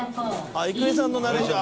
「あっ郁恵さんのナレーション？」